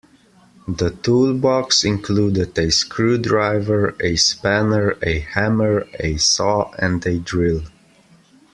The toolbox included a screwdriver, a spanner, a hammer, a saw and a drill